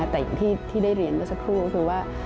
แต่อย่างที่ได้เรียนก็สักครู่คือว่า